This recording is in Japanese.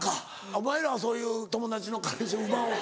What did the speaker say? お前らはそういう友達の彼氏を奪おうとは？